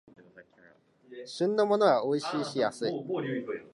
旬のものはおいしいし安い